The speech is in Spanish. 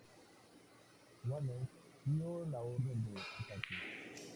Wallace dio la orden de ataque.